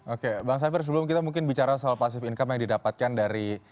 oke bang safir sebelum kita mungkin bicara soal pasive income yang didapatkan dari